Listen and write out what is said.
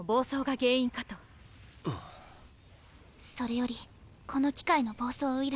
それよりこの機械の暴走ウイルス